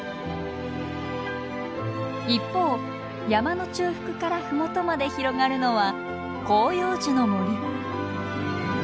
一方山の中腹から麓まで広がるのは広葉樹の森。